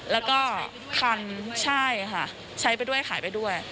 แล้วก็คันใช่ค่ะใช้ไปด้วยขายไปด้วย